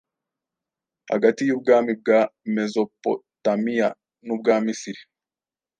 hagati y’ubwami bwa Mezopotamiya n’ubwa Misiri.